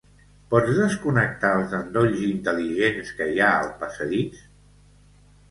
Pots desconnectar els endolls intel·ligents que hi ha al passadís?